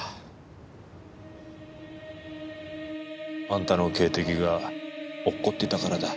あんたの警笛が落っこってたからだ。